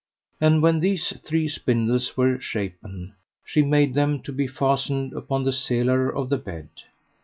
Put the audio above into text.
And when these three spindles were shapen she made them to be fastened upon the selar of the bed.